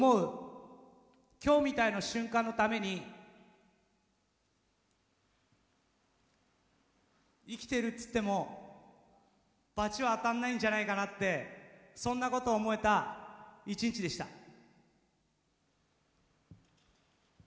今日みたいな瞬間のために生きてるっつっても罰は当たんないんじゃないかなってそんなことを思えた一日でした。